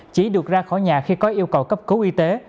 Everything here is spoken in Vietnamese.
chỉ được ra khỏi nhà khi có yêu cầu cấp cứu y tế